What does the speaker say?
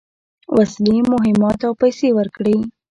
وسلې، مهمات او پیسې ورکړې.